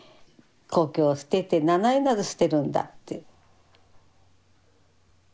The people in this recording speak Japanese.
故郷を捨てて名前まで捨てるんだって。